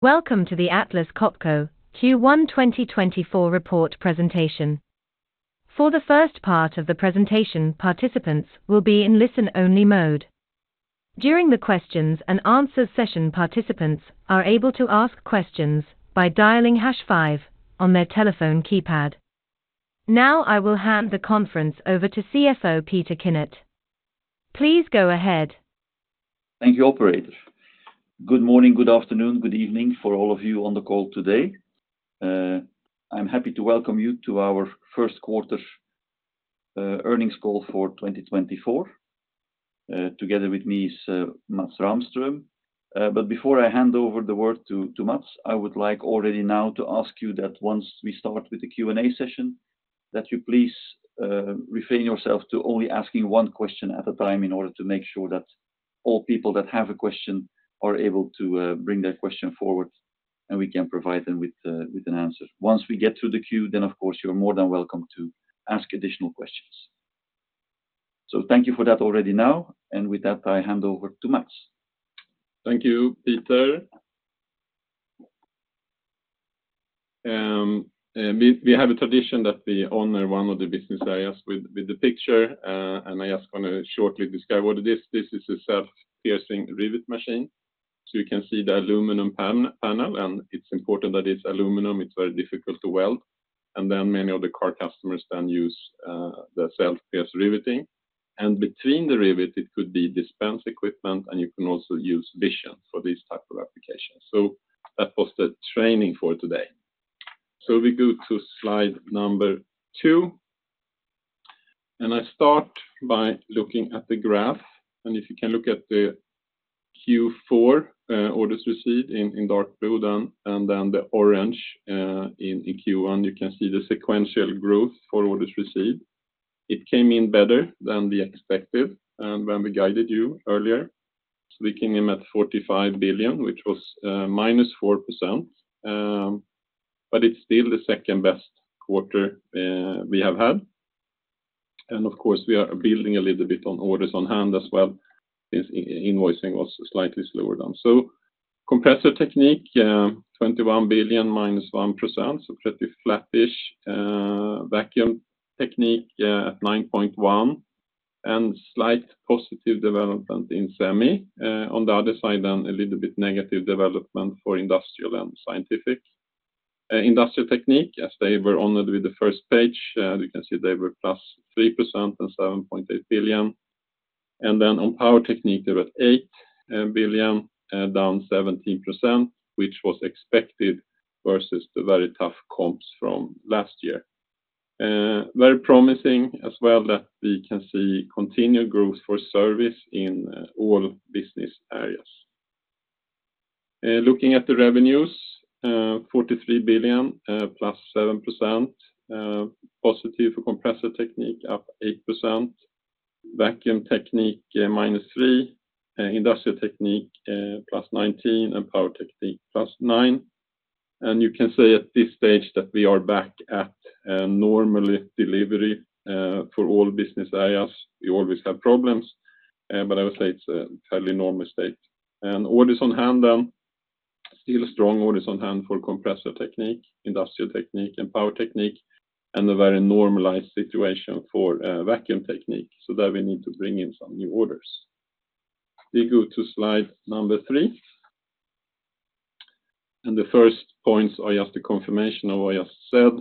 Welcome to the Atlas Copco Q1 2024 Report Presentation. For the first part of the presentation, participants will be in listen-only mode. During the questions and answers session, participants are able to ask questions by dialing hash five on their telephone keypad. Now I will hand the conference over to CFO Peter Kinnart. Please go ahead. Thank you, operator. Good morning, good afternoon, good evening for all of you on the call today. I'm happy to welcome you to our first quarter earnings call for 2024. Together with me is Mats Rahmström. But before I hand over the word to Mats, I would like already now to ask you that once we start with the Q&A session, that you please refrain yourself from only asking one question at a time in order to make sure that all people that have a question are able to bring their question forward and we can provide them with an answer. Once we get through the queue, then of course you are more than welcome to ask additional questions. So thank you for that already now, and with that, I hand over to Mats. Thank you, Peter. We have a tradition that we honor one of the business areas with the picture, and I just want to shortly describe what it is. This is a self-piercing rivet machine. You can see the aluminum panel, and it's important that it's aluminum. It's very difficult to weld. Many of the car customers use the self-piercing riveting. Between the rivet, it could be dispense equipment, and you can also use Vision for these types of applications. That was the training for today. We go to slide number two. I start by looking at the graph. If you can look at the Q4 orders receipt in dark blue and then the orange in Q1, you can see the sequential growth for orders receipt. It came in better than we expected when we guided you earlier. So we came in at 45 billion, which was -4%. But it's still the second-best quarter we have had. And of course, we are building a little bit on orders on hand as well since invoicing was slightly slower down. So Compressor Technique, 21 billion -1%, so pretty flattish. Vacuum Technique at 9.1 billion and slight positive development in semi. On the other side, then a little bit negative development for industrial and scientific. Industrial Technique, as they were honored with the first page, you can see they were +3% and 7.8 billion. And then on Power Technique, they were at 8 billion, down -17%, which was expected versus the very tough comps from last year. Very promising as well that we can see continued growth for service in all business areas. Looking at the revenues, 43 billion, +7%. Positive for Compressor Technique, up +8%. Vacuum Technique, -3%. Industrial Technique, +19%. And Power Technique, +9%. And you can say at this stage that we are back at normal delivery for all business areas. We always have problems, but I would say it's a fairly normal state. And orders on hand, then still strong orders on hand for Compressor Technique, Industrial Technique, and Power Technique. And a very normalized situation for Vacuum Technique, so there we need to bring in some new orders. We go to slide 3. And the first points are just a confirmation of what I just said.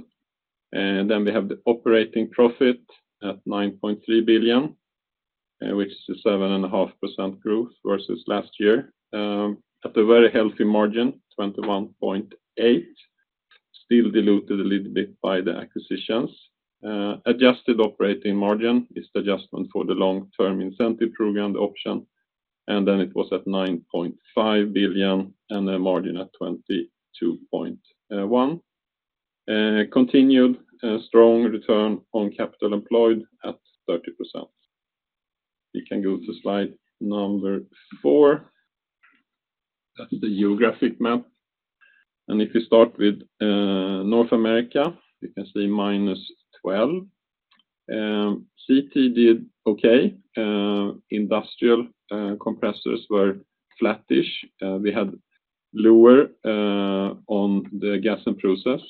Then we have the operating profit at 9.3 billion, which is a 7.5% growth versus last year. At a very healthy margin, 21.8%. Still diluted a little bit by the acquisitions. Adjusted operating margin is the adjustment for the long-term incentive program, the option. Then it was at 9.5 billion and a margin at 22.1%. Continued strong return on capital employed at 30%. We can go to slide 4. That's the geographic map. If we start with North America, you can see -12%. CT did okay. Industrial compressors were flattish. We had lower on the gas and process.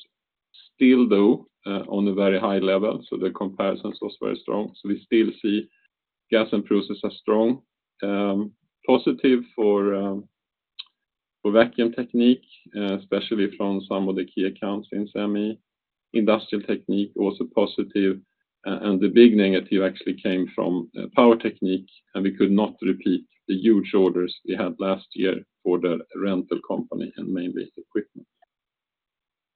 Still, though, on a very high level, so the comparisons were very strong. So we still see gas and process are strong. Positive for Vacuum Technique, especially from some of the key accounts in semi. Industrial Technique also positive, and the big negative actually came from Power Technique, and we could not repeat the huge orders we had last year for the rental company and mainly equipment.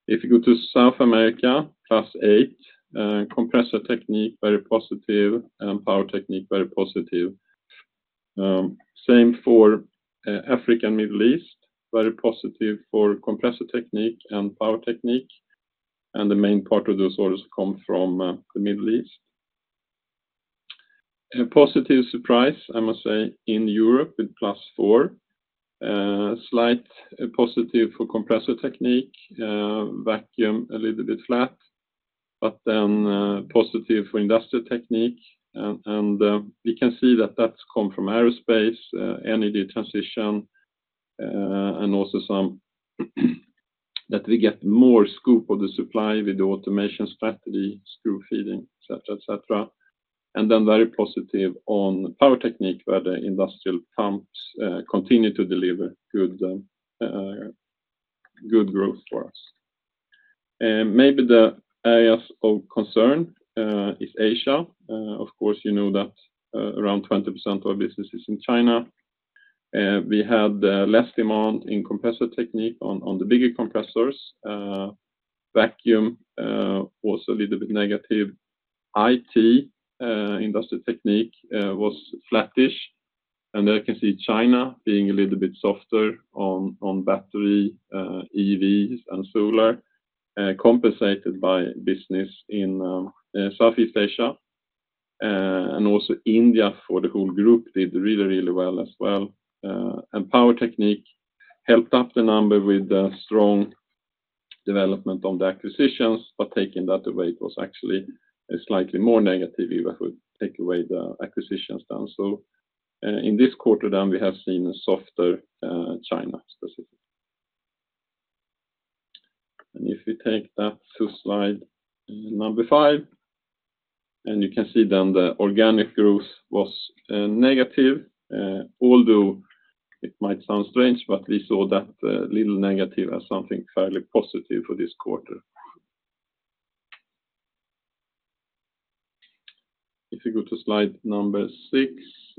If you go to South America, +8%. Compressor Technique, very positive. Power Technique, very positive. Same for Africa and Middle East. Very positive for Compressor Technique and Power Technique. The main part of those orders come from the Middle East. A positive surprise, I must say, in Europe with +4%. Slight positive for Compressor Technique. Vacuum, a little bit flat. But then positive for Industrial Technique. And we can see that that's come from aerospace, energy transition, and also some that we get more scoop of the supply with the automation strategy, screw feeding, etc., etc. And then very positive on Power Technique where the industrial pumps continue to deliver good growth for us. Maybe the areas of concern is Asia. Of course, you know that around 20% of our business is in China. We had less demand in Compressor Technique on the bigger compressors. Vacuum was a little bit negative. IT, Industrial Technique, was flattish. There you can see China being a little bit softer on battery, EVs, and solar, compensated by business in Southeast Asia. Also India for the whole group did really, really well as well. Power Technique helped up the number with the strong development on the acquisitions, but taking that away, it was actually slightly more negative if I would take away the acquisitions then. In this quarter, then, we have seen a softer China specifically. If we take that to slide number five, and you can see then the organic growth was negative. Although it might sound strange, but we saw that little negative as something fairly positive for this quarter. If you go to slide number six,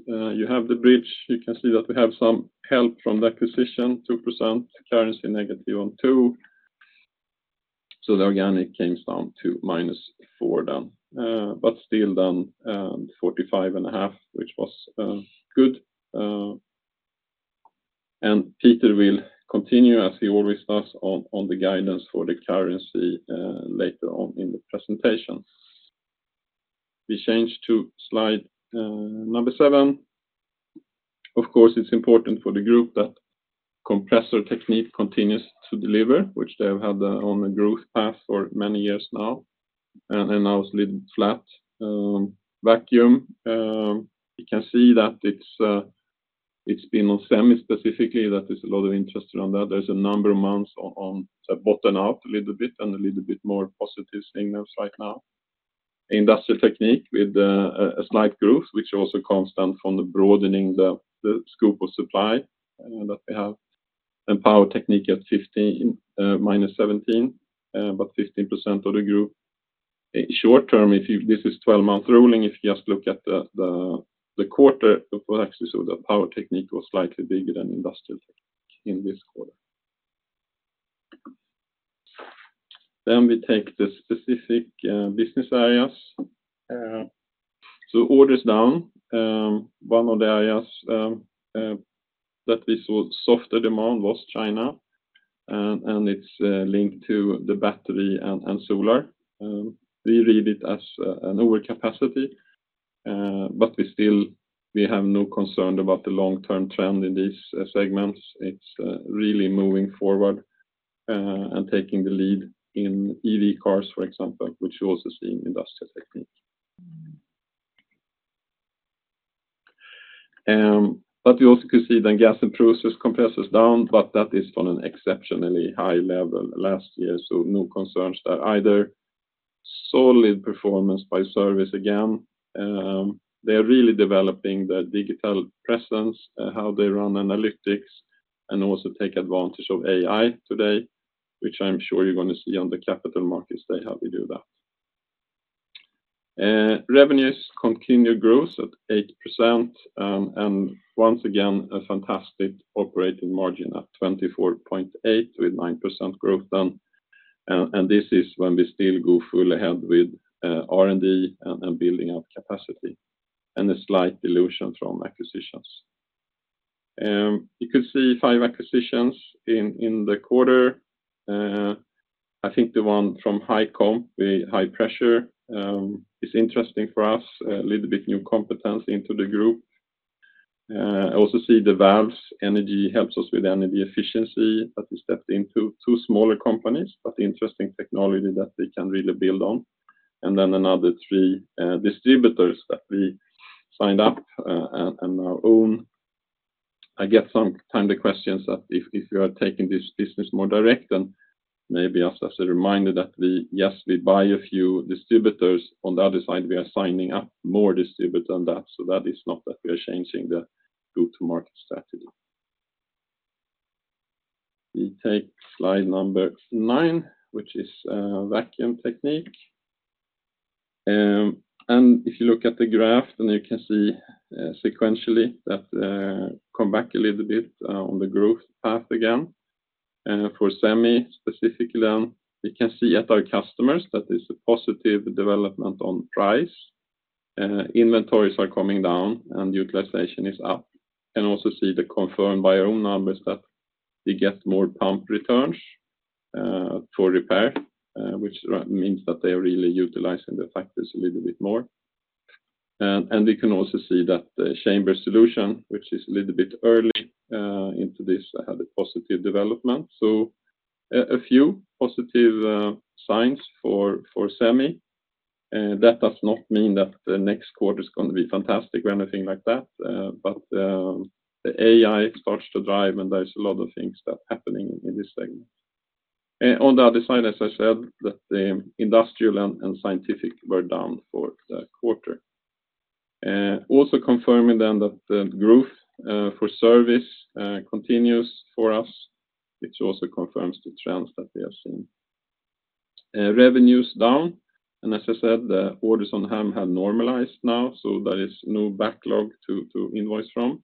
you have the bridge. You can see that we have some help from the acquisition, 2%. Currency negative on 2%. So the organic came down to -4% then. But still, then, 45.5, which was good. And Peter will continue, as he always does, on the guidance for the currency later on in the presentation. We change to slide 7. Of course, it's important for the group that Compressor Technique continues to deliver, which they have had on a growth path for many years now. And now it's a little bit flat. Vacuum Technique, you can see that it's been on semi specifically, that there's a lot of interest around that. There's a number of months on bottom out a little bit and a little bit more positive signals right now. Industrial Technique with a slight growth, which is also constant from the broadening the scope of supply that we have. And Power Technique at -17%, but 15% of the group. Short term, this is 12-month ruling. If you just look at the quarter, you will actually see that Power Technique was slightly bigger than Industrial Technique in this quarter. Then we take the specific business areas. So orders down. One of the areas that we saw softer demand was China, and it's linked to the battery and solar. We read it as an overcapacity, but we have no concern about the long-term trend in these segments. It's really moving forward and taking the lead in EV cars, for example, which you also see in Industrial Technique. But you also could see then gas and process compressors down, but that is from an exceptionally high level last year. So no concerns there. Either solid performance by service again. They are really developing their digital presence, how they run analytics, and also take advantage of AI today, which I'm sure you're going to see on the capital markets today how we do that. Revenues continue growth at 8% and once again a fantastic operating margin at 24.8% with 9% growth then. And this is when we still go full ahead with R&D and building up capacity and a slight dilution from acquisitions. You could see 5 acquisitions in the quarter. I think the one from HiCom, High Pressure, is interesting for us. A little bit new competence into the group. Also see the valves. Energy helps us with energy efficiency that we stepped into. 2 smaller companies, but interesting technology that we can really build on. And then another 3 distributors that we signed up and now own. I get sometimes the questions that if you are taking this business more direct, then maybe just as a reminder that yes, we buy a few distributors. On the other side, we are signing up more distributors than that. So that is not that we are changing the go-to-market strategy. We take slide number nine, which is Vacuum Technique. If you look at the graph, then you can see sequentially that come back a little bit on the growth path again. For semi specifically, then we can see at our customers that there's a positive development on price. Inventories are coming down and utilization is up. Can also see the confirmed by our own numbers that we get more pump returns for repair, which means that they are really utilizing the factories a little bit more. And we can also see that chamber solutions, which is a little bit early into this, had a positive development. So a few positive signs for semi. That does not mean that the next quarter is going to be fantastic or anything like that, but the AI starts to drive and there's a lot of things that are happening in this segment. On the other side, as I said, that the industrial and scientific were down for the quarter. Also confirming then that the growth for service continues for us, which also confirms the trends that we have seen. Revenues down. And as I said, the orders on hand have normalized now, so there is no backlog to invoice from.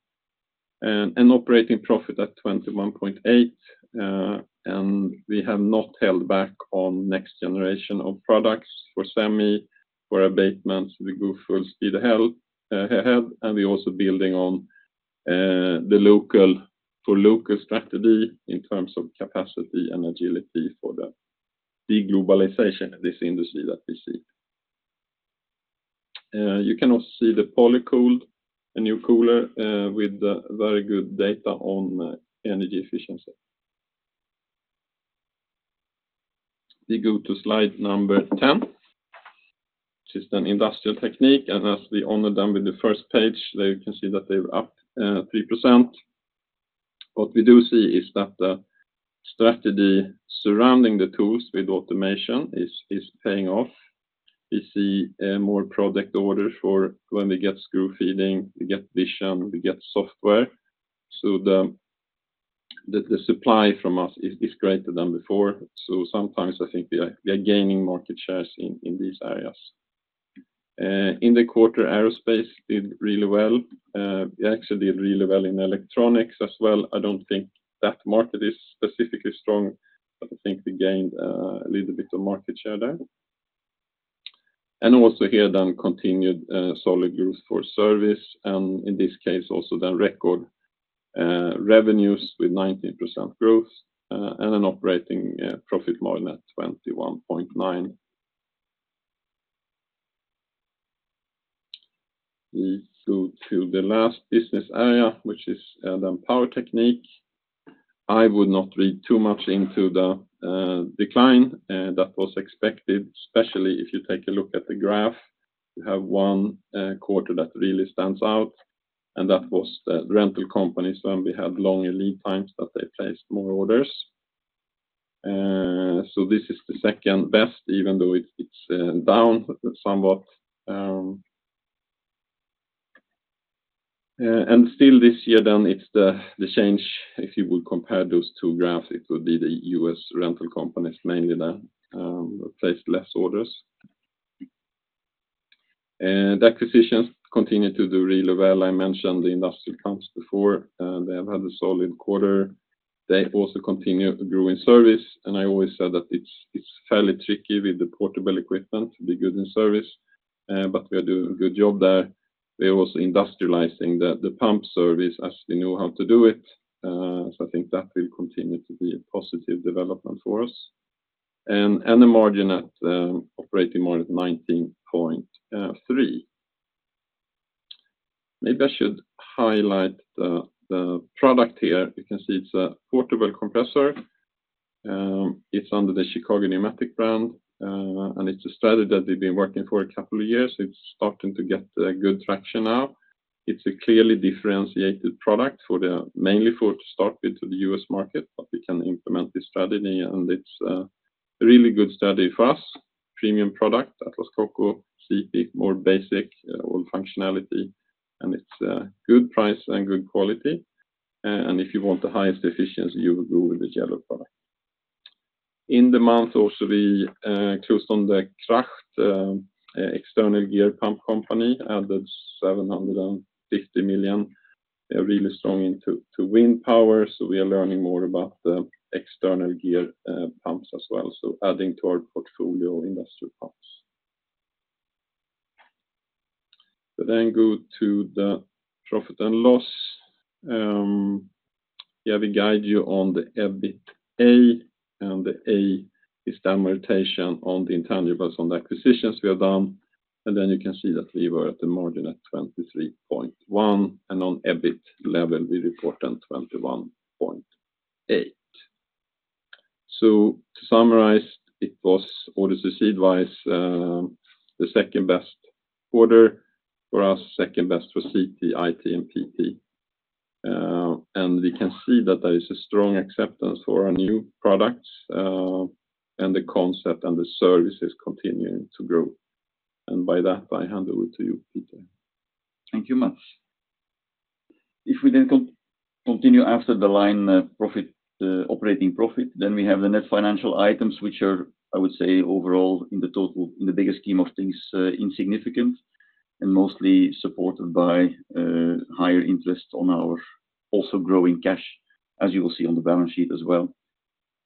And operating profit at 21.8%. And we have not held back on next generation of products for semi. For abatement, we go full speed ahead, and we're also building on the local strategy in terms of capacity and agility for the deglobalization in this industry that we see. You can also see the Polycold, a new cooler with very good data on energy efficiency. We go to slide number 10, which is then Industrial Technique. As we honor them with the first page, there you can see that they were up 3%. What we do see is that the strategy surrounding the tools with automation is paying off. We see more product orders for when we get screw feeding, we get vision, we get software. So the supply from us is greater than before. So sometimes I think we are gaining market shares in these areas. In the quarter, aerospace did really well. We actually did really well in electronics as well. I don't think that market is specifically strong, but I think we gained a little bit of market share there. And also here then continued solid growth for service. And in this case, also then record revenues with 19% growth and an operating profit margin at 21.9%. We go to the last business area, which is then Power Technique. I would not read too much into the decline that was expected, especially if you take a look at the graph. You have one quarter that really stands out, and that was the rental companies when we had longer lead times that they placed more orders. So this is the second best, even though it's down somewhat. And still, this year then, it's the change. If you would compare those two graphs, it would be the U.S. rental companies mainly there that placed less orders. The acquisitions continue to do really well. I mentioned the industrial pumps before. They have had a solid quarter. They also continue growing service. And I always said that it's fairly tricky with the portable equipment to be good in service, but we are doing a good job there. We are also industrializing the pump service as we know how to do it. So I think that will continue to be a positive development for us and a margin at operating margin of 19.3%. Maybe I should highlight the product here. You can see it's a portable compressor. It's under the Chicago Pneumatic brand, and it's a strategy that we've been working for a couple of years. It's starting to get good traction now. It's a clearly differentiated product mainly for to start with to the US market, but we can implement this strategy, and it's a really good strategy for us. Premium product, Atlas Copco, CP, more basic all functionality, and it's good price and good quality. And if you want the highest efficiency, you would go with the yellow product. In the month, also we closed on the Kracht, external gear pump company, added 750 million. We are really strong into wind power, so we are learning more about the external gear pumps as well, so adding to our portfolio industrial pumps. But then go to the profit and loss. Yeah, we guide you on the EBITA, and the A is the amortization on the intangibles on the acquisitions we have done. Then you can see that we were at the margin at 23.1%, and on EBIT level, we report then 21.8%. To summarize, it was orders received-wise the second best order for us, second best for CT, IT, and PT. We can see that there is a strong acceptance for our new products, and the concept and the service is continuing to grow. By that, I hand over to you, Peter. Thank you much. If we then continue after the line operating profit, then we have the net financial items, which are, I would say, overall in the bigger scheme of things, insignificant and mostly supported by higher interest on our also growing cash, as you will see on the balance sheet as well.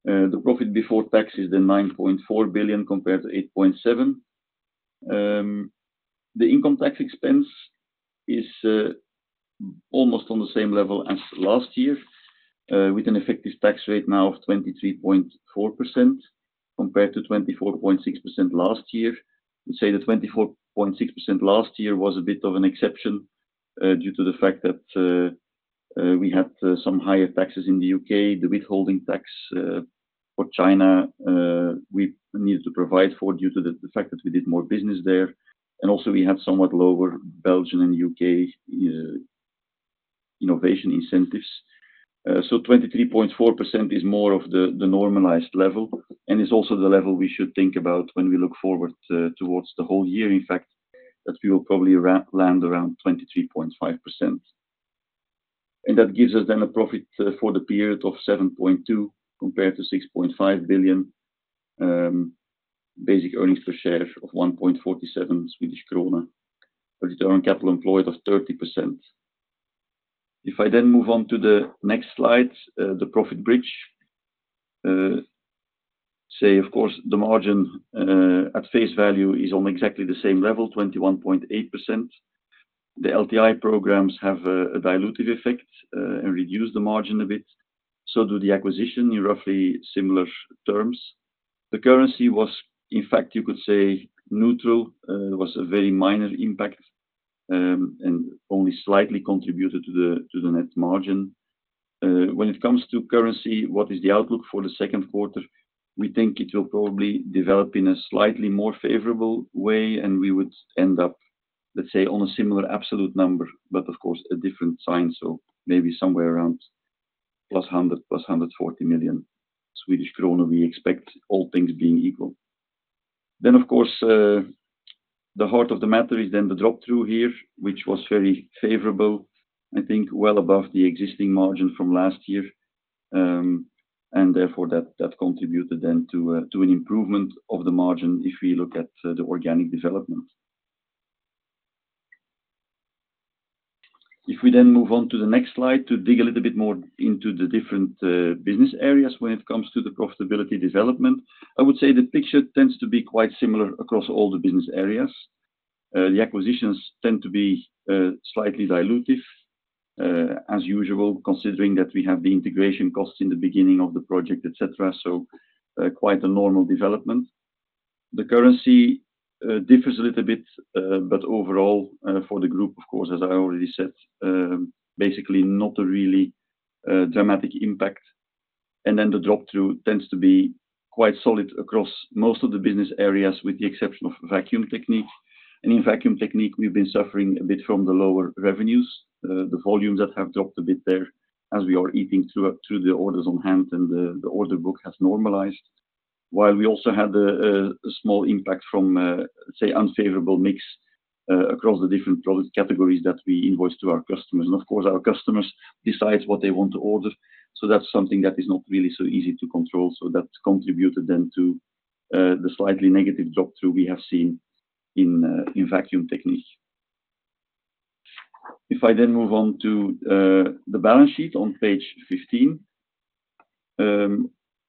The profit before tax is then 9.4 billion compared to 8.7 billion. The income tax expense is almost on the same level as last year with an effective tax rate now of 23.4% compared to 24.6% last year. We'd say the 24.6% last year was a bit of an exception due to the fact that we had some higher taxes in the UK. The withholding tax for China we needed to provide for due to the fact that we did more business there. And also, we had somewhat lower Belgian and UK innovation incentives. So 23.4% is more of the normalized level and is also the level we should think about when we look forward towards the whole year. In fact, that we will probably land around 23.5%. And that gives us then a profit for the period of 7.2 billion compared to 6.5 billion, basic earnings per share of 1.47 Swedish krona, a return on capital employed of 30%. If I then move on to the next slide, the profit bridge. Say, of course, the margin at face value is on exactly the same level, 21.8%. The LTI programs have a dilutive effect and reduce the margin a bit. So do the acquisition in roughly similar terms. The currency was, in fact, you could say neutral. It was a very minor impact and only slightly contributed to the net margin. When it comes to currency, what is the outlook for the second quarter? We think it will probably develop in a slightly more favorable way, and we would end up, let's say, on a similar absolute number, but of course, a different sign. So maybe somewhere around +100 million-+SEK 140 million. We expect all things being equal. Then, of course, the heart of the matter is then the Drop-through here, which was very favorable, I think, well above the existing margin from last year. And therefore, that contributed then to an improvement of the margin if we look at the organic development. If we then move on to the next slide to dig a little bit more into the different business areas when it comes to the profitability development, I would say the picture tends to be quite similar across all the business areas. The acquisitions tend to be slightly dilutive, as usual, considering that we have the integration costs in the beginning of the project, etc. So quite a normal development. The currency differs a little bit, but overall for the group, of course, as I already said, basically not a really dramatic impact. And then the drop-through tends to be quite solid across most of the business areas with the exception of Vacuum Technique. And in Vacuum Technique, we've been suffering a bit from the lower revenues, the volumes that have dropped a bit there as we are eating through the orders on hand and the order book has normalized. While we also had a small impact from, say, unfavorable mix across the different product categories that we invoice to our customers. And of course, our customers decide what they want to order. So that's something that is not really so easy to control. So that contributed then to the slightly negative drop-through we have seen in Vacuum Technique. If I then move on to the balance sheet on page 15,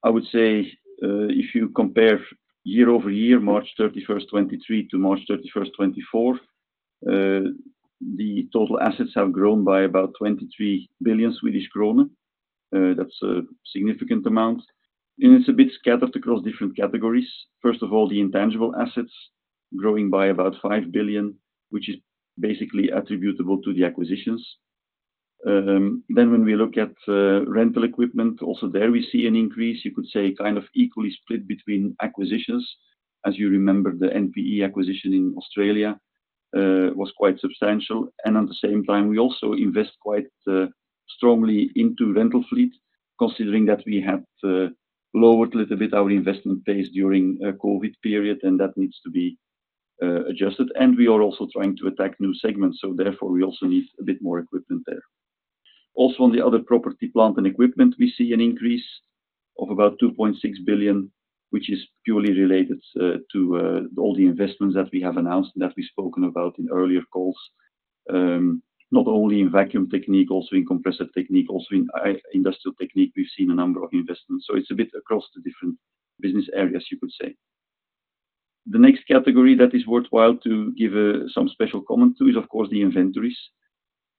I would say if you compare year-over-year, March 31st, 2023, to March 31st, 2024, the total assets have grown by about 23 billion Swedish kronor. That's a significant amount. It's a bit scattered across different categories. First of all, the intangible assets growing by about 5 billion, which is basically attributable to the acquisitions. When we look at rental equipment, also there we see an increase. You could say kind of equally split between acquisitions. As you remember, the NPE acquisition in Australia was quite substantial. At the same time, we also invest quite strongly into rental fleet, considering that we had lowered a little bit our investment pace during a COVID period, and that needs to be adjusted. We are also trying to attack new segments. So therefore, we also need a bit more equipment there. Also, on the other property, plant and equipment, we see an increase of about 2.6 billion, which is purely related to all the investments that we have announced and that we've spoken about in earlier calls. Not only in Vacuum Technique, also in Compressor Technique, also in Industrial Technique, we've seen a number of investments. So it's a bit across the different business areas, you could say. The next category that is worthwhile to give some special comment to is, of course, the inventories.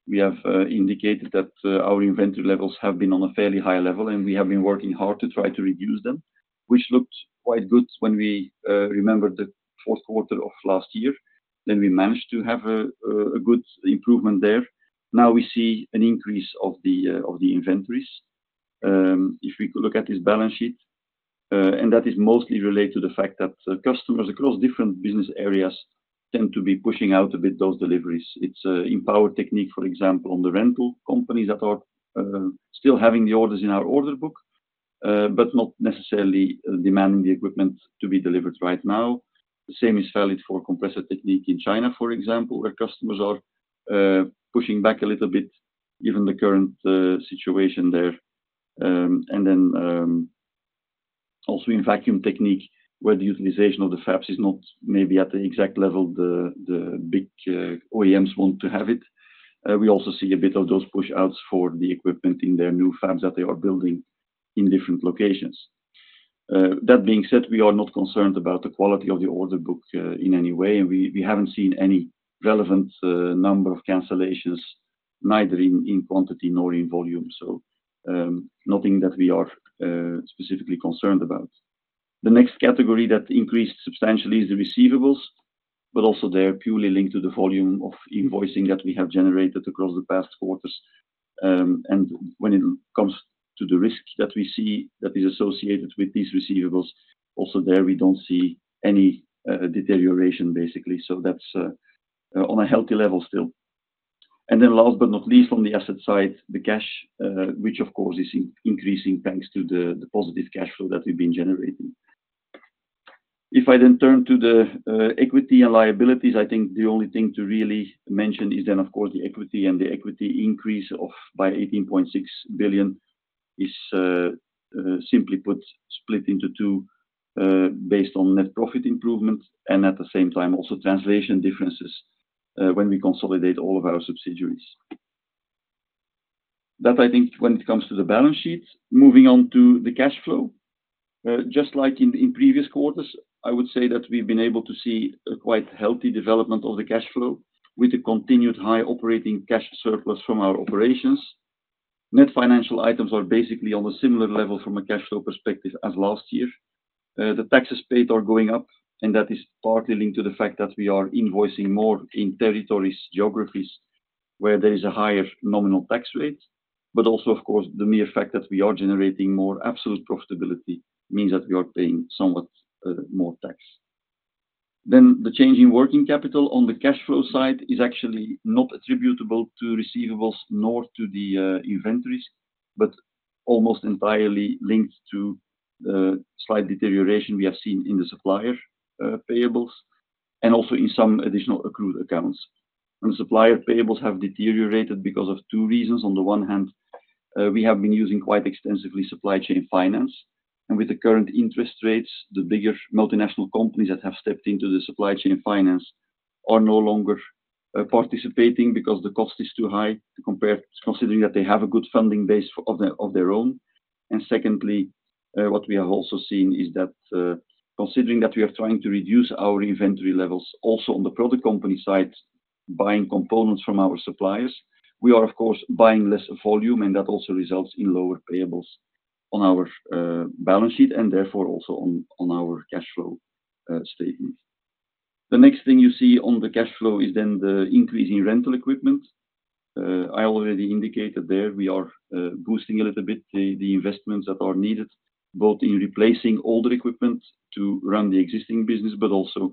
We have indicated that our inventory levels have been on a fairly high level, and we have been working hard to try to reduce them, which looked quite good when we remembered the fourth quarter of last year. Then we managed to have a good improvement there. Now we see an increase of the inventories. If we look at this balance sheet, and that is mostly related to the fact that customers across different business areas tend to be pushing out a bit those deliveries. It's in power technique, for example, on the rental companies that are still having the orders in our order book, but not necessarily demanding the equipment to be delivered right now. The same is valid for compressor technique in China, for example, where customers are pushing back a little bit, given the current situation there. And then also in vacuum technique, where the utilization of the fabs is not maybe at the exact level the big OEMs want to have it. We also see a bit of those push-outs for the equipment in their new fabs that they are building in different locations. That being said, we are not concerned about the quality of the order book in any way, and we haven't seen any relevant number of cancellations, neither in quantity nor in volume. So nothing that we are specifically concerned about. The next category that increased substantially is the receivables, but also they are purely linked to the volume of invoicing that we have generated across the past quarters. And when it comes to the risk that we see that is associated with these receivables, also there we don't see any deterioration, basically. So that's on a healthy level still. And then last but not least, on the asset side, the cash, which of course is increasing thanks to the positive cash flow that we've been generating. If I then turn to the equity and liabilities, I think the only thing to really mention is then, of course, the equity and the equity increase by 18.6 billion is, simply put, split into two based on net profit improvement and at the same time also translation differences when we consolidate all of our subsidiaries. That, I think, when it comes to the balance sheet. Moving on to the cash flow. Just like in previous quarters, I would say that we've been able to see a quite healthy development of the cash flow with a continued high operating cash surplus from our operations. Net financial items are basically on a similar level from a cash flow perspective as last year. The taxes paid are going up, and that is partly linked to the fact that we are invoicing more in territories, geographies where there is a higher nominal tax rate. Also, of course, the mere fact that we are generating more absolute profitability means that we are paying somewhat more tax. The change in working capital on the cash flow side is actually not attributable to receivables nor to the inventories, but almost entirely linked to the slight deterioration we have seen in the supplier payables and also in some additional accrued accounts. The supplier payables have deteriorated because of two reasons. On the one hand, we have been using quite extensively supply chain finance. With the current interest rates, the bigger multinational companies that have stepped into the supply chain finance are no longer participating because the cost is too high, considering that they have a good funding base of their own. And secondly, what we have also seen is that considering that we are trying to reduce our inventory levels also on the product company side, buying components from our suppliers, we are, of course, buying less volume, and that also results in lower payables on our balance sheet and therefore also on our cash flow statement. The next thing you see on the cash flow is then the increase in rental equipment. I already indicated there we are boosting a little bit the investments that are needed, both in replacing older equipment to run the existing business, but also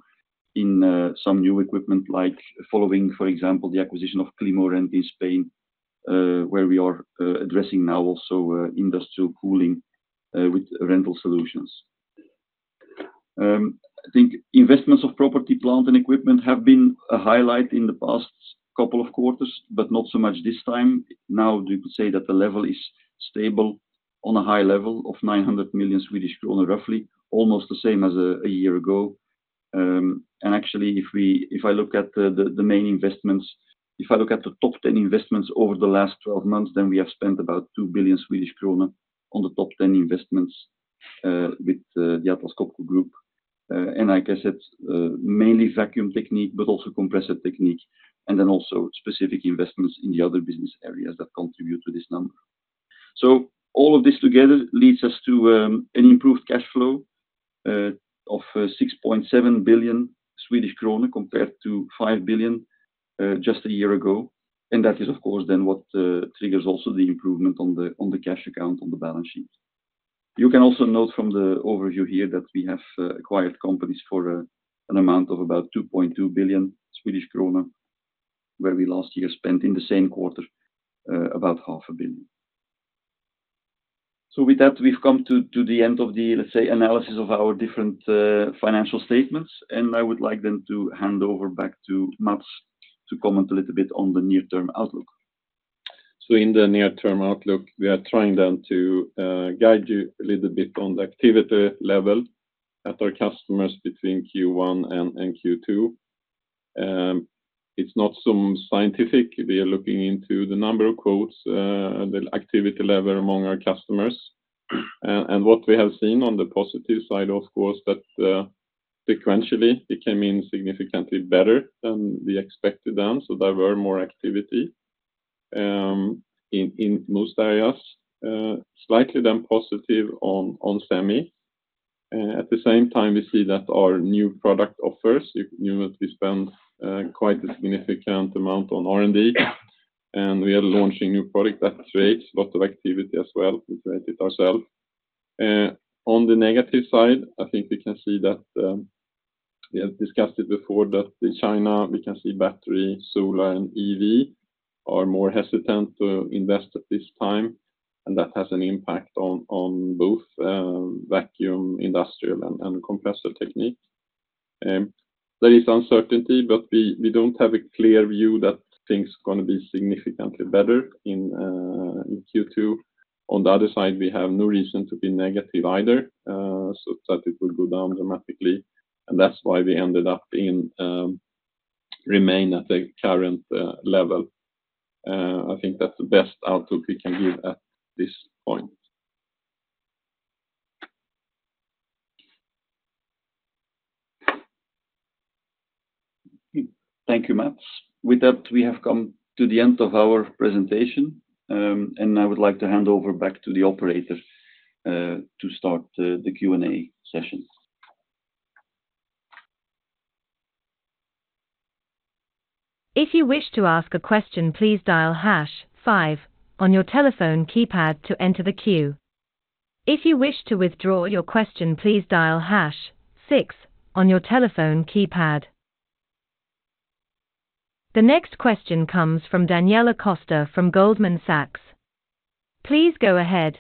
in some new equipment, like following, for example, the acquisition of Climoren in Spain, where we are addressing now also industrial cooling with rental solutions. I think investments of property, plant, and equipment have been a highlight in the past couple of quarters, but not so much this time. Now, you could say that the level is stable on a high level of 900 million Swedish kronor, roughly almost the same as a year ago. And actually, if I look at the main investments, if I look at the top 10 investments over the last 12 months, then we have spent about 2 billion Swedish kronor on the top 10 investments with the Atlas Copco Group. Like I said, mainly Vacuum Technique, but also Compressor Technique, and then also specific investments in the other business areas that contribute to this number. So all of this together leads us to an improved cash flow of 6.7 billion Swedish krona compared to 5 billion just a year ago. And that is, of course, then what triggers also the improvement on the cash account on the balance sheet. You can also note from the overview here that we have acquired companies for an amount of about 2.2 billion Swedish krona, where we last year spent in the same quarter about 0.5 billion. So with that, we've come to the end of the, let's say, analysis of our different financial statements. And I would like then to hand over back to Mats to comment a little bit on the near-term outlook. In the near-term outlook, we are trying then to guide you a little bit on the activity level at our customers between Q1 and Q2. It's not so scientific. We are looking into the number of quotes, the activity level among our customers. What we have seen on the positive side, of course, that sequentially it came in significantly better than we expected then. There were more activity in most areas, slightly then positive on semi. At the same time, we see that our new product offers, you know that we spend quite a significant amount on R&D, and we are launching new product that creates a lot of activity as well. We create it ourselves. On the negative side, I think we can see that we have discussed it before, that in China, we can see battery, solar, and EV are more hesitant to invest at this time. And that has an impact on both vacuum, industrial, and compressor technique. There is uncertainty, but we don't have a clear view that things are going to be significantly better in Q2. On the other side, we have no reason to be negative either so that it will go down dramatically. And that's why we ended up in remain at the current level. I think that's the best outlook we can give at this point. Thank you, Mats. With that, we have come to the end of our presentation. I would like to hand over back to the operator to start the Q&A session. If you wish to ask a question, please dial hash five on your telephone keypad to enter the queue. If you wish to withdraw your question, please dial hash six on your telephone keypad. The next question comes from Daniela Costa from Goldman Sachs. Please go ahead.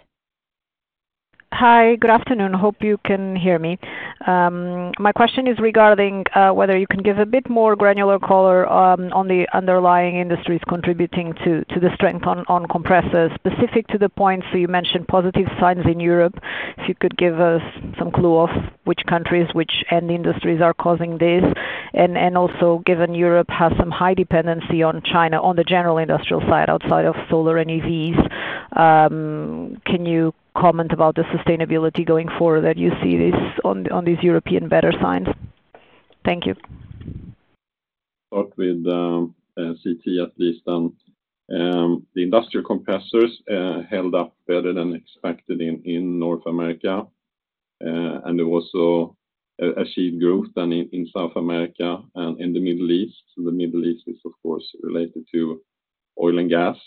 Hi, good afternoon. Hope you can hear me. My question is regarding whether you can give a bit more granular color on the underlying industries contributing to the strength on compressors, specific to the points. So you mentioned positive signs in Europe. If you could give us some clue of which countries, which end industries are causing this. And also given Europe has some high dependency on China on the general industrial side outside of solar and EVs, can you comment about the sustainability going forward that you see this on these European better signs? Thank you. Talked with CT at least then. The industrial compressors held up better than expected in North America. And there was also solid growth then in South America and in the Middle East. So the Middle East is, of course, related to oil and gas.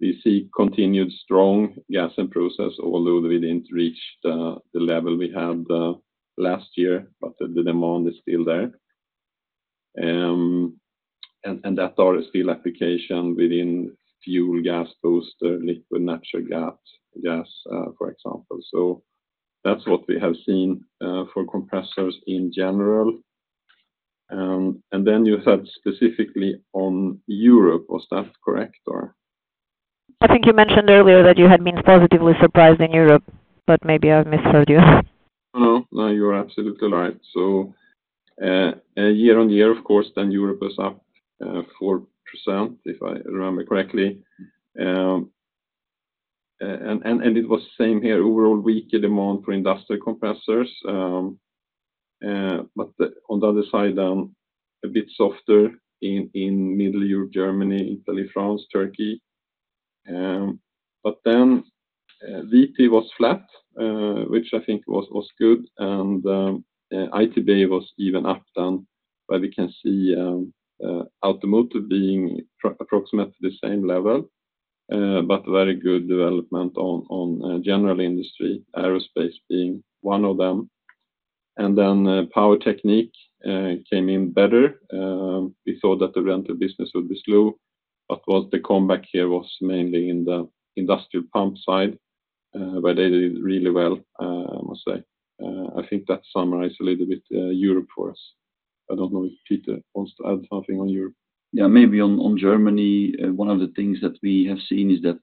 We see continued strong gas improvements, although we didn't reach the level we had last year, but the demand is still there. And there are still applications within fuel gas booster, liquid natural gas, for example. So that's what we have seen for compressors in general. And then you had specifically on Europe. Was that correct, or? I think you mentioned earlier that you had been positively surprised in Europe, but maybe I misheard you. No, no. No, you're absolutely right. So year-on-year, of course, then Europe is up 4%, if I remember correctly. And it was same here, overall weaker demand for industrial compressors. But on the other side then, a bit softer in Middle Europe, Germany, Italy, France, Turkey. But then VT was flat, which I think was good. And ITB was even up then, where we can see automotive being approximately the same level, but very good development on general industry, aerospace being one of them. And then power technique came in better. We thought that the rental business would be slow, but the comeback here was mainly in the industrial pump side, where they did really well, I must say. I think that summarizes a little bit Europe for us. I don't know if Peter wants to add something on Europe. Yeah, maybe on Germany, one of the things that we have seen is that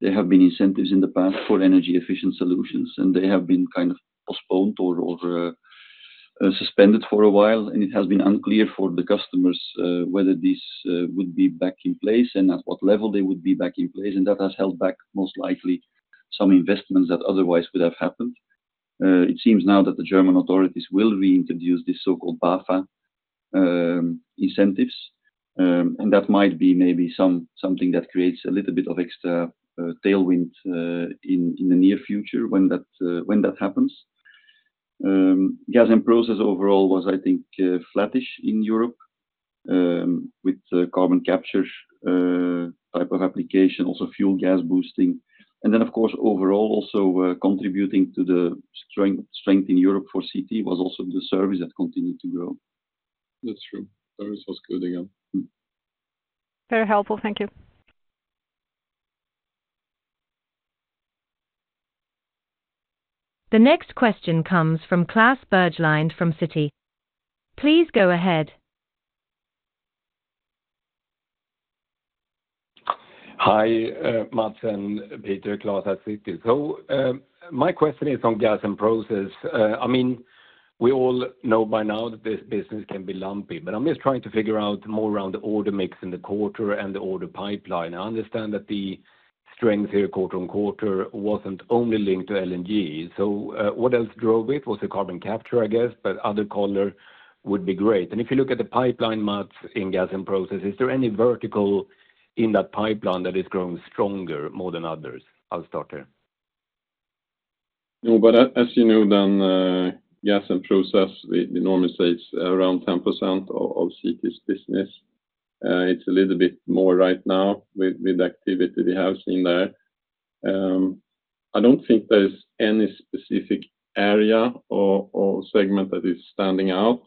there have been incentives in the past for energy-efficient solutions, and they have been kind of postponed or suspended for a while. And it has been unclear for the customers whether these would be back in place and at what level they would be back in place. And that has held back, most likely, some investments that otherwise would have happened. It seems now that the German authorities will reintroduce these so-called BAFA incentives. And that might be maybe something that creates a little bit of extra tailwind in the near future when that happens. Gas improvements overall was, I think, flattish in Europe with carbon capture type of application, also fuel gas boosting. And then, of course, overall, also contributing to the strength in Europe for CT was also the service that continued to grow. That's true. Service was good again. Very helpful. Thank you. The next question comes from Klas Bergelind from Citi. Please go ahead. Hi, Mats and Peter, Klaus at Citi. So my question is on Gas and Process. I mean, we all know by now that this business can be lumpy, but I'm just trying to figure out more around the order mix in the quarter and the order pipeline. I understand that the strength here quarter-over-quarter wasn't only linked to LNG. So what else drove it was the carbon capture, I guess, but other color would be great. And if you look at the pipeline, Mats, in Gas and Process, is there any vertical in that pipeline that is growing stronger more than others? I'll start there. No, but as you know then, gas and process, we normally say it's around 10% of CT's business. It's a little bit more right now with the activity we have seen there. I don't think there's any specific area or segment that is standing out.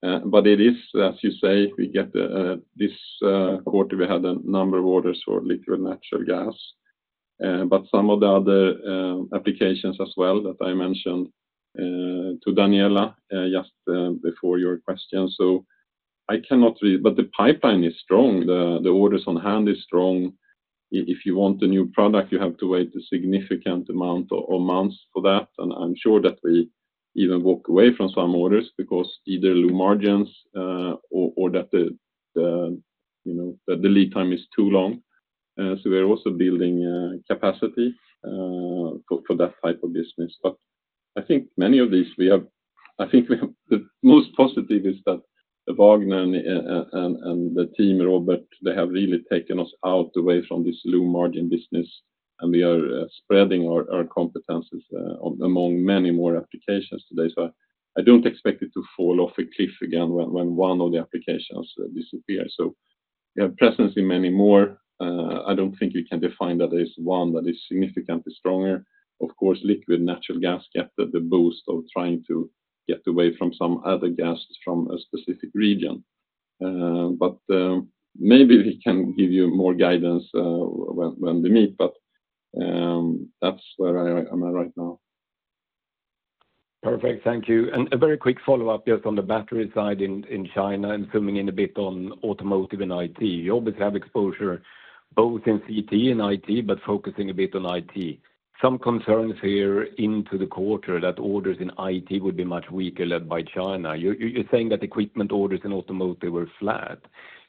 But it is, as you say, in this quarter, we had a number of orders for liquid natural gas. But some of the other applications as well that I mentioned to Daniela just before your question. So I cannot read, but the pipeline is strong. The orders on hand is strong. If you want a new product, you have to wait a significant amount of months for that. And I'm sure that we even walk away from some orders because either low margins or that the lead time is too long. So we're also building capacity for that type of business. But I think many of these, I think the most positive is that Robert Wagner and the team, they have really taken us out away from this low margin business, and we are spreading our competences among many more applications today. So I don't expect it to fall off a cliff again when one of the applications disappears. So we have presence in many more. I don't think we can define that as one that is significantly stronger. Of course, liquid natural gas gets the boost of trying to get away from some other gases from a specific region. But maybe we can give you more guidance when we meet, but that's where I'm at right now. Perfect. Thank you. A very quick follow-up just on the battery side in China and zooming in a bit on automotive and IT. You obviously have exposure both in CT and IT, but focusing a bit on IT. Some concerns here into the quarter that orders in IT would be much weaker led by China. You're saying that equipment orders in automotive were flat.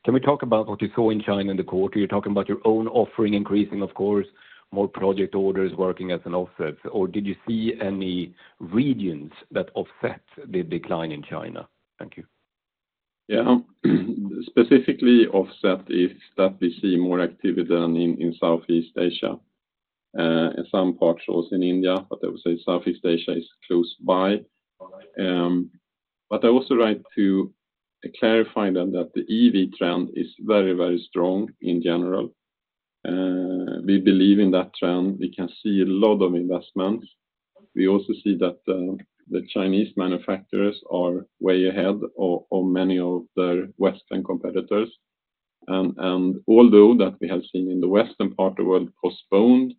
Can we talk about what you saw in China in the quarter? You're talking about your own offering increasing, of course, more project orders working as an offset. Or did you see any regions that offset the decline in China? Thank you. Yeah. Specifically, offset is that we see more activity than in Southeast Asia. Some parts also in India, but I would say Southeast Asia is close by. But I also like to clarify then that the EV trend is very, very strong in general. We believe in that trend. We can see a lot of investments. We also see that the Chinese manufacturers are way ahead of many of their Western competitors. And although that we have seen in the Western part of the world postponed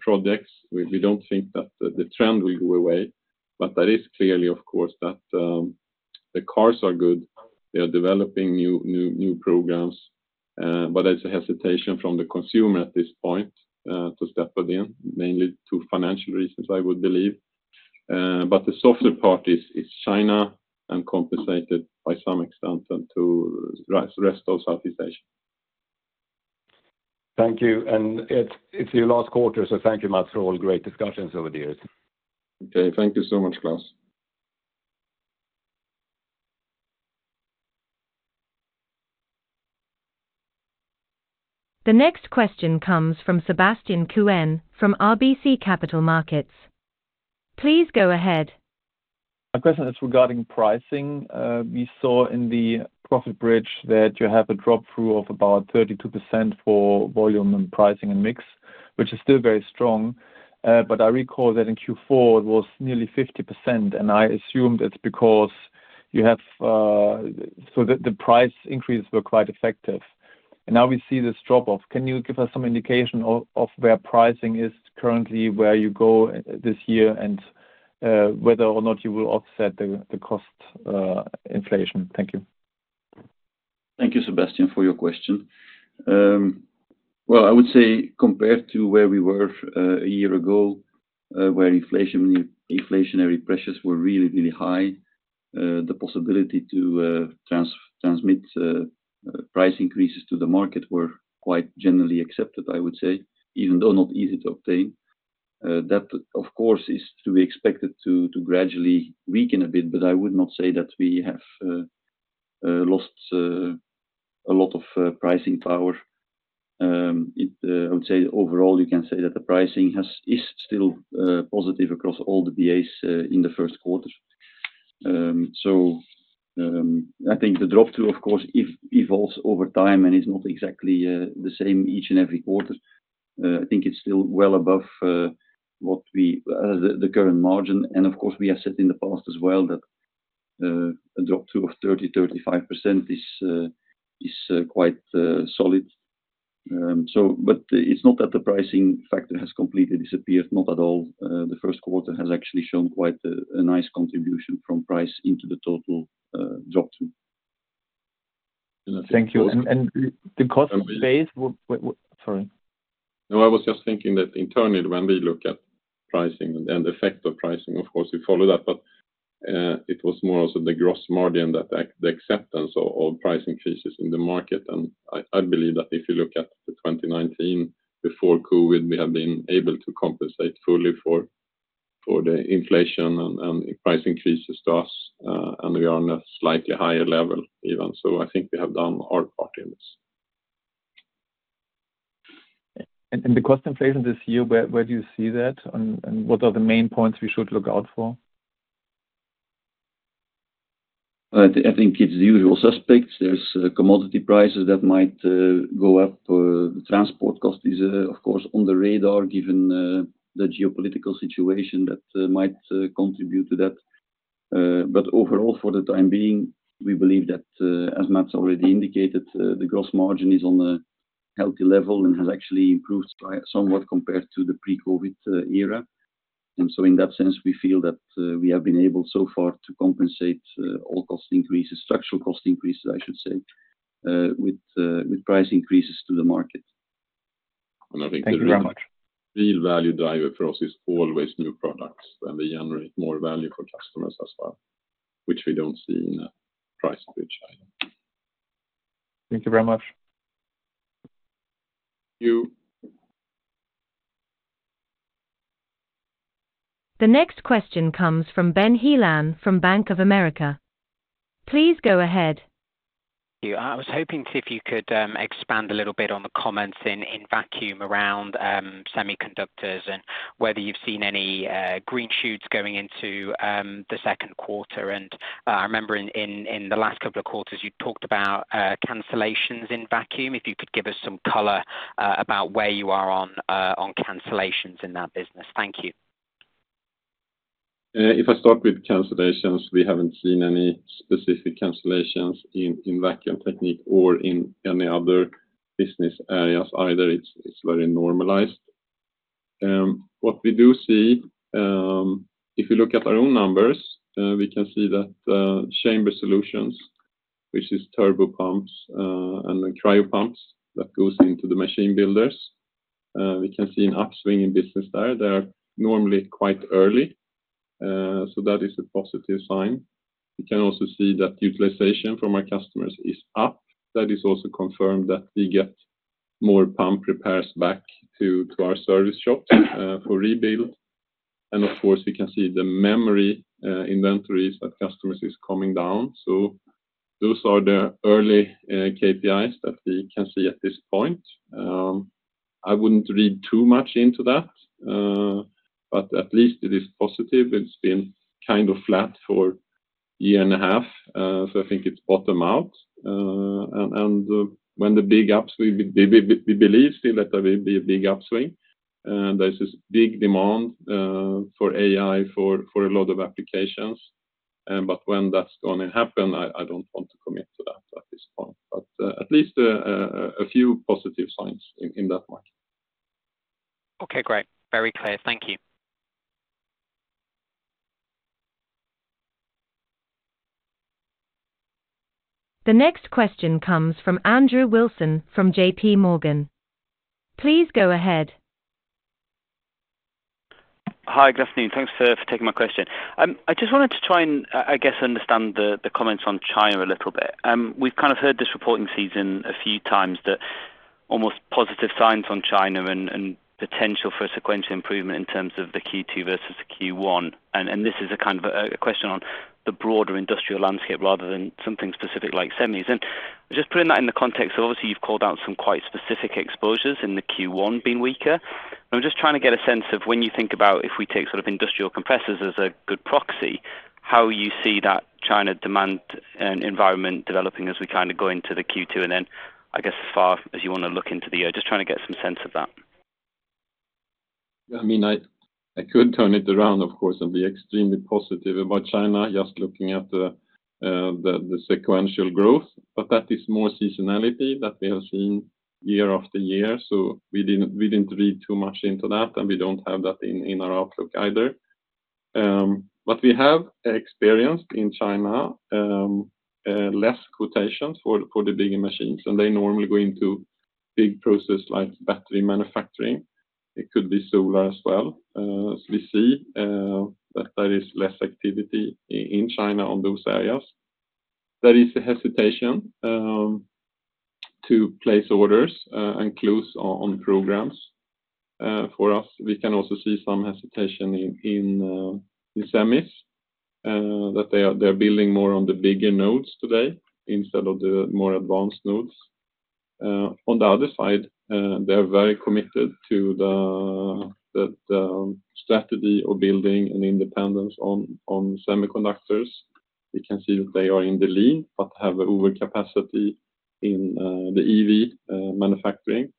projects, we don't think that the trend will go away. But there is clearly, of course, that the cars are good. They are developing new programs. But there's a hesitation from the consumer at this point to step it in, mainly to financial reasons, I would believe. But the softer part is China and compensated by some extent to the rest of Southeast Asia. Thank you. It's your last quarter, so thank you, Mats, for all great discussions over the years. Okay. Thank you so much, Klaus. The next question comes from Sebastian Kuenne from RBC Capital Markets. Please go ahead. My question is regarding pricing. We saw in the profit bridge that you have a drop through of about 32% for volume and pricing and mix, which is still very strong. But I recall that in Q4, it was nearly 50%. And I assumed it's because you have so the price increases were quite effective. And now we see this drop-off. Can you give us some indication of where pricing is currently, where you go this year, and whether or not you will offset the cost inflation? Thank you. Thank you, Sebastian, for your question. Well, I would say compared to where we were a year ago, where inflationary pressures were really, really high, the possibility to transmit price increases to the market were quite generally accepted, I would say, even though not easy to obtain. That, of course, is to be expected to gradually weaken a bit, but I would not say that we have lost a lot of pricing power. I would say overall, you can say that the pricing is still positive across all the BAs in the first quarter. So I think the drop through, of course, evolves over time and is not exactly the same each and every quarter. I think it's still well above the current margin. And of course, we have said in the past as well that a drop through of 30%-35% is quite solid. But it's not that the pricing factor has completely disappeared. Not at all. The first quarter has actually shown quite a nice contribution from price into the total drop-through. Thank you. And the cost base, sorry. No, I was just thinking that internally, when we look at pricing and the effect of pricing, of course, we follow that. But it was more also the gross margin that the acceptance of pricing increases in the market. And I believe that if you look at the 2019 before COVID, we have been able to compensate fully for the inflation and pricing increases to us. And we are on a slightly higher level even. So I think we have done our part in this. The cost inflation this year, where do you see that? And what are the main points we should look out for? I think it's the usual suspects. There's commodity prices that might go up. The transport cost is, of course, on the radar given the geopolitical situation that might contribute to that. But overall, for the time being, we believe that, as Mats already indicated, the gross margin is on a healthy level and has actually improved somewhat compared to the pre-COVID era. And so in that sense, we feel that we have been able so far to compensate all cost increases, structural cost increases, I should say, with price increases to the market. I think the real value driver for us is always new products when we generate more value for customers as well, which we don't see in a price bridge either. Thank you very much. Thank you. The next question comes from Ben Helan from Bank of America. Please go ahead. I was hoping if you could expand a little bit on the comments in vacuum around semiconductors and whether you've seen any green shoots going into the second quarter? And I remember in the last couple of quarters, you talked about cancellations in vacuum. If you could give us some color about where you are on cancellations in that business. Thank you. If I start with cancellations, we haven't seen any specific cancellations in Vacuum Technique or in any other business areas either. It's very normalized. What we do see, if we look at our own numbers, we can see that chamber solutions, which is turbo pumps and cryopumps, that goes into the machine builders. We can see an upswing in business there. They are normally quite early. So that is a positive sign. We can also see that utilization from our customers is up. That is also confirmed that we get more pump repairs back to our service shops for rebuild. And of course, we can see the memory inventories that customers are coming down. So those are the early KPIs that we can see at this point. I wouldn't read too much into that, but at least it is positive. It's been kind of flat for a year and a half. So I think it's bottom out. And when the big ups, we believe still that there will be a big upswing. There's this big demand for AI for a lot of applications. But when that's going to happen, I don't want to commit to that at this point. But at least a few positive signs in that market. Okay. Great. Very clear. Thank you. The next question comes from Andrew Wilson from JP Morgan. Please go ahead. Hi, good afternoon. Thanks for taking my question. I just wanted to try and, I guess, understand the comments on China a little bit. We've kind of heard this reporting season a few times that almost positive signs on China and potential for a sequential improvement in terms of the Q2 versus the Q1. And this is a kind of a question on the broader industrial landscape rather than something specific like semis. And just putting that in the context of, obviously, you've called out some quite specific exposures in the Q1 being weaker. And I'm just trying to get a sense of when you think about if we take sort of industrial compressors as a good proxy, how you see that China demand environment developing as we kind of go into the Q2. And then, I guess, as far as you want to look into the year, just trying to get some sense of that. I mean, I could turn it around, of course. I'd be extremely positive about China just looking at the sequential growth. But that is more seasonality that we have seen year after year. So we didn't read too much into that, and we don't have that in our outlook either. But we have experienced in China less quotations for the bigger machines. And they normally go into big processes like battery manufacturing. It could be solar as well. So we see that there is less activity in China on those areas. There is a hesitation to place orders and clues on programs for us. We can also see some hesitation in semis that they are building more on the bigger nodes today instead of the more advanced nodes. On the other side, they are very committed to the strategy of building an independence on semiconductors. We can see that they are in the lead but have overcapacity in the EV manufacturing.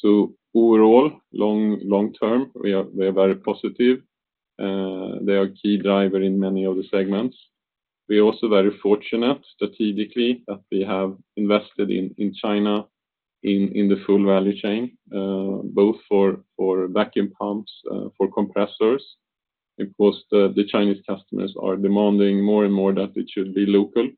So overall, long term, we are very positive. They are a key driver in many of the segments. We are also very fortunate strategically that we have invested in China in the full value chain, both for vacuum pumps, for compressors. Because the Chinese customers are demanding more and more that it should be local.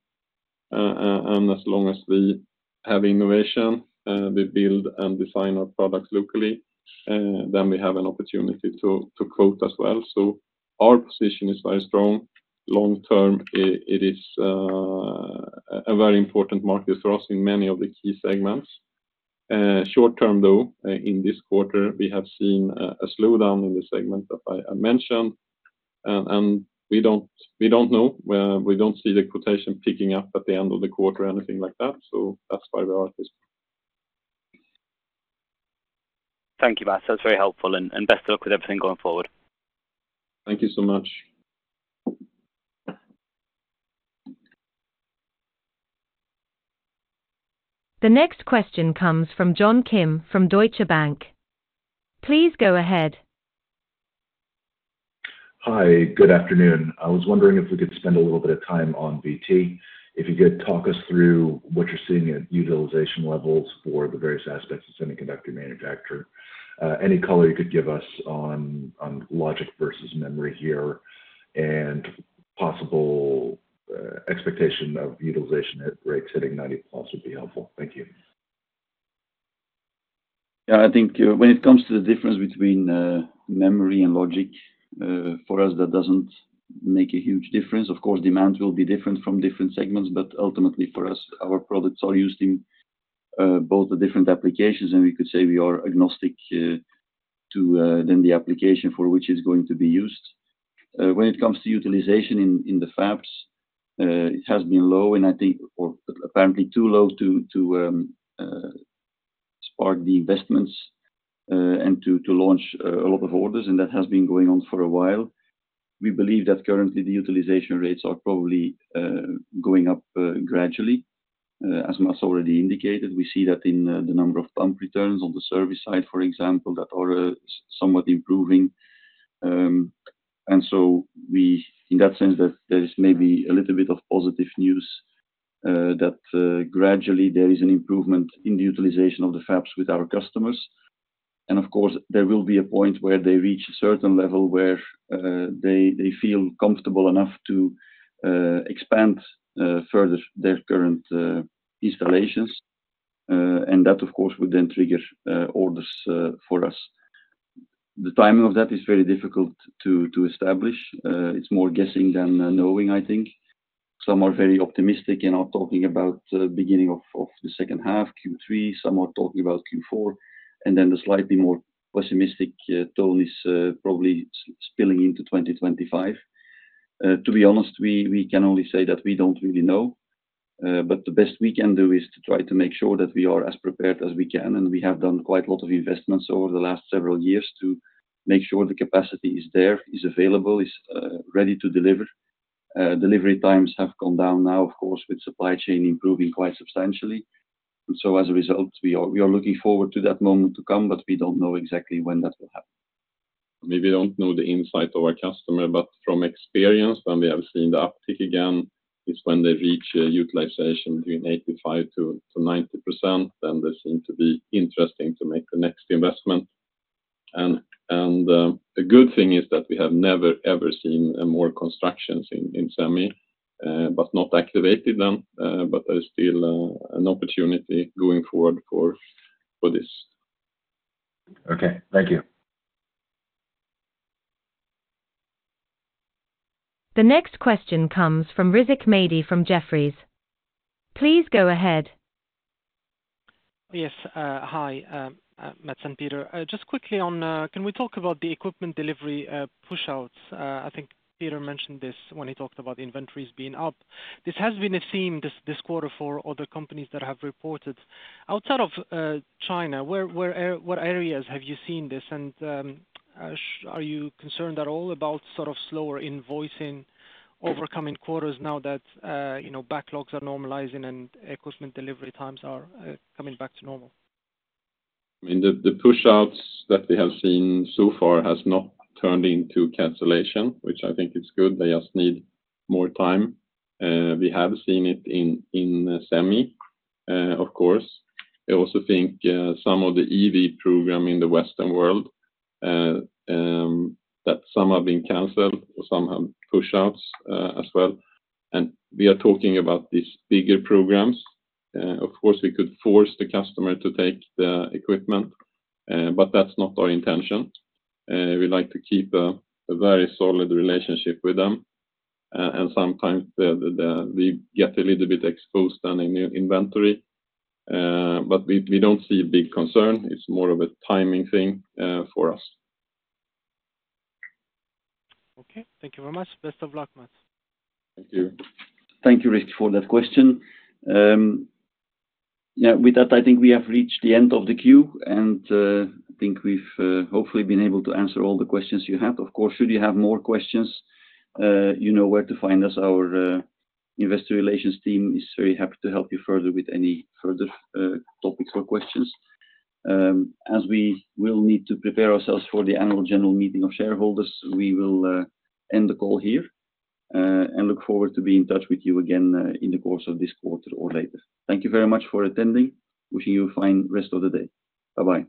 And as long as we have innovation, we build and design our products locally, then we have an opportunity to quote as well. So our position is very strong. Long term, it is a very important market for us in many of the key segments. Short term, though, in this quarter, we have seen a slowdown in the segment that I mentioned. And we don't know. We don't see the quotation picking up at the end of the quarter or anything like that. That's why we are at this point. Thank you, Mats. That's very helpful. Best of luck with everything going forward. Thank you so much. The next question comes from John Kim from Deutsche Bank. Please go ahead. Hi. Good afternoon. I was wondering if we could spend a little bit of time on VT, if you could talk us through what you're seeing at utilization levels for the various aspects of semiconductor manufacturing. Any color you could give us on logic versus memory here and possible expectation of utilization at rates hitting 90+ would be helpful. Thank you. Yeah. I think when it comes to the difference between memory and logic, for us, that doesn't make a huge difference. Of course, demand will be different from different segments. But ultimately, for us, our products are used in both the different applications. And we could say we are agnostic to then the application for which it's going to be used. When it comes to utilization in the fabs, it has been low and I think, or apparently, too low to spark the investments and to launch a lot of orders. And that has been going on for a while. We believe that currently, the utilization rates are probably going up gradually. As Mats already indicated, we see that in the number of pump returns on the service side, for example, that are somewhat improving. And so in that sense, there is maybe a little bit of positive news that gradually, there is an improvement in the utilization of the fabs with our customers. And of course, there will be a point where they reach a certain level where they feel comfortable enough to expand further their current installations. And that, of course, would then trigger orders for us. The timing of that is very difficult to establish. It's more guessing than knowing, I think. Some are very optimistic and are talking about the beginning of the second half, Q3. Some are talking about Q4. And then the slightly more pessimistic tone is probably spilling into 2025. To be honest, we can only say that we don't really know. But the best we can do is to try to make sure that we are as prepared as we can. We have done quite a lot of investments over the last several years to make sure the capacity is there, is available, is ready to deliver. Delivery times have gone down now, of course, with supply chain improving quite substantially. And so as a result, we are looking forward to that moment to come, but we don't know exactly when that will happen. Maybe we don't know the insight of our customer, but from experience, when we have seen the uptick again is when they reach utilization between 85%-90%, then they seem to be interesting to make the next investment. And the good thing is that we have never, ever seen more constructions in semi, but not activated then. But there is still an opportunity going forward for this. Okay. Thank you. The next question comes from Rizk Maidi from Jefferies. Please go ahead. Yes. Hi, Mats and Peter. Just quickly on, can we talk about the equipment delivery pushouts? I think Peter mentioned this when he talked about inventories being up. This has been a theme this quarter for other companies that have reported. Outside of China, what areas have you seen this? And are you concerned at all about sort of slower invoicing overcoming quarters now that backlogs are normalizing and equipment delivery times are coming back to normal? I mean, the pushouts that we have seen so far have not turned into cancellation, which I think is good. They just need more time. We have seen it in semi, of course. I also think some of the EV program in the Western world that some have been canceled or some have pushouts as well. We are talking about these bigger programs. Of course, we could force the customer to take the equipment, but that's not our intention. We like to keep a very solid relationship with them. Sometimes we get a little bit exposed on a new inventory, but we don't see a big concern. It's more of a timing thing for us. Okay. Thank you very much. Best of luck, Mats. Thank you. Thank you, Rizik, for that question. Yeah. With that, I think we have reached the end of the queue. I think we've hopefully been able to answer all the questions you had. Of course, should you have more questions, you know where to find us. Our investor relations team is very happy to help you further with any further topics or questions. As we will need to prepare ourselves for the annual general meeting of shareholders, we will end the call here and look forward to being in touch with you again in the course of this quarter or later. Thank you very much for attending. Wishing you a fine rest of the day. Bye-bye.